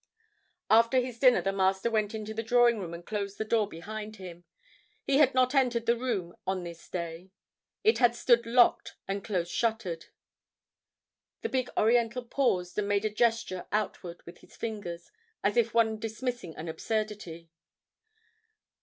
"After his dinner the Master went into the drawing room and closed the door behind him. He had not entered the room on this day. It had stood locked and close shuttered!" The big Oriental paused and made a gesture outward with his fingers, as of one dismissing an absurdity.